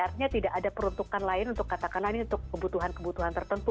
artinya tidak ada peruntukan lain untuk katakanlah ini untuk kebutuhan kebutuhan tertentu